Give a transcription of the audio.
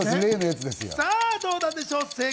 さぁ、どうなんでしょうか？